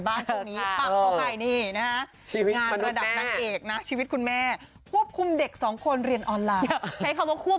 ไม่ได้เป็นอะไร